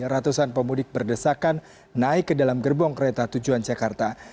ratusan pemudik berdesakan naik ke dalam gerbong kereta tujuan jakarta